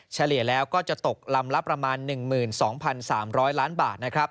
เฉลี่ยแล้วก็จะตกลำละประมาณ๑๒๓๐๐ล้านบาทนะครับ